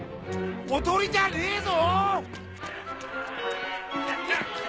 おとりじゃねえぞ！